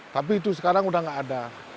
tapi itu sekarang sudah tidak ada